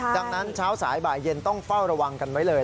ดังนั้นเช้าสายบ่ายเย็นต้องเฝ้าระวังกันไว้เลย